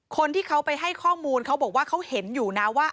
คนที่เขาไปให้ข้อมูลเขาบอกว่าเขาเห็นอยู่นะว่า